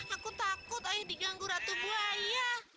aku takut ayah diganggu ratu buaya